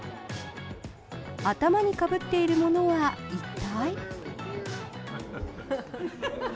頭にかぶっているものは一体？